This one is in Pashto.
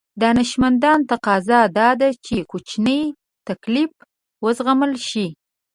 دانشمندي تقاضا دا ده چې کوچنی تکليف وزغمل شي.